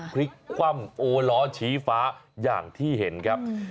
พลิกคว่ำโอล้อชี้ฟ้าอย่างที่เห็นครับ